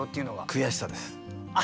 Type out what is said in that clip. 悔しさです。